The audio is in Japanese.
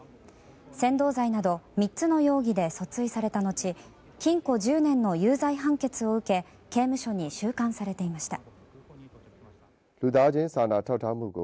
扇動罪など３つの容疑で訴追されたのち禁錮１０年の有罪判決を受け刑務所に収監されていました。